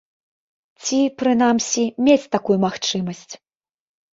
Ці, прынамсі, мець такую магчымасць.